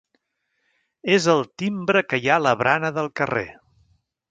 És el timbre que hi ha a la barana del carrer.